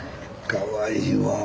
かわいいわぁ。